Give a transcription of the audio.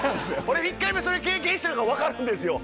俺１回目それ経験してるから分かるんですよ